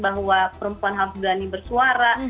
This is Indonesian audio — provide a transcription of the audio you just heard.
bahwa perempuan harus berani bersuara